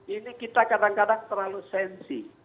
ini kita kadang kadang terlalu sensi